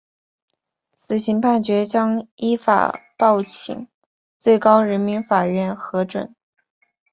死刑判决将依法报请最高人民法院核准。